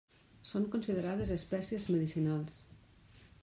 Són considerades espècies medicinals.